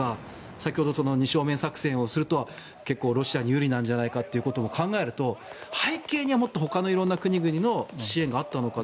先ほど二正面作戦をすると結構、ロシアに有利なんじゃないかということも考えると背景にはもっと他のいろいろな国々のあったのか。